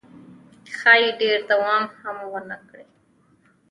ښایي ډېر دوام هم ونه کړي.